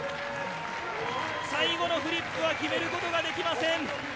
最後のフリップは決めることができません。